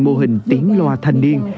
mô hình tiếng loa thanh niên